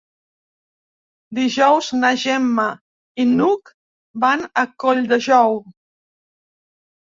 Dijous na Gemma i n'Hug van a Colldejou.